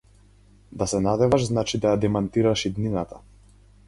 Да се надеваш значи да ја демантираш иднината.